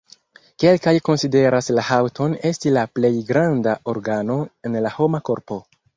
Kelkaj konsideras la haŭton esti la plej granda organo en la homa korpo.